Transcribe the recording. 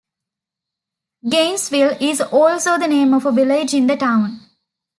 Gainesville is also the name of a village in the town.